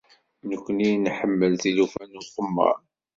Nekkni nḥemmel tilufa n uqemmer.